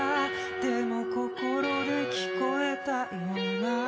「でも心で聞こえたような」